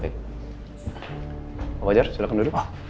pak al kalau gitu saya tinggal dulu ya